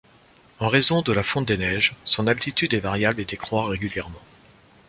En raison de la fonte des neiges, son altitude est variable et décroît régulièrement.